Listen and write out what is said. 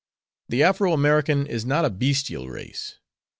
The Afro American is not a bestial race.